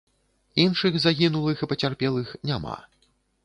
Іншых загінулых і пацярпелых няма.